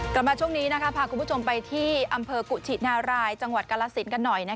กลับมาช่วงนี้พาคุณผู้ชมไปที่อำเภอกุชินารายจังหวัดกาลสินกันหน่อย